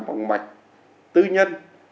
phòng mạch tư nhân